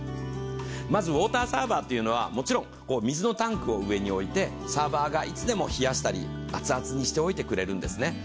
まずウォーターサーバーというのは、もちろん水のタンクを上に置いて、サーバーがいつでも冷やしたり、熱々にしておいてくれるんですね。